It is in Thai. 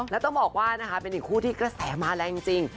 แล้วต้องบอกว่านะคะเป็นเหล่าคู่ที่ขตาแสมาแล้วจริง